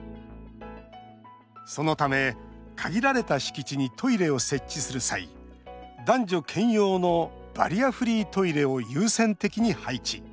そのため、限られた敷地にトイレを設置する際男女兼用のバリアフリートイレを優先的に配置。